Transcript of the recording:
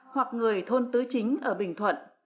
hoặc người thôn tứ chính ở bình thuận